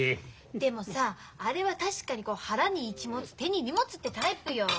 でもさあれは確かに「腹に一物手に荷物」ってタイプよ。